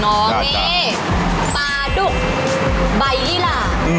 อันนี้ปลาดุกใบอี้หละ